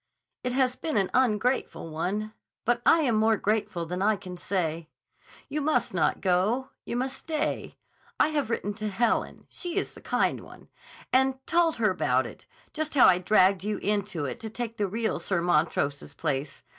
It has been an ungrateful one. But I am more grateful than I can say. You must not go. You must stay. I have written to Helen—she is the kind one—and told her about it; just how I dragged you into it to take the real Sir Montrose's place.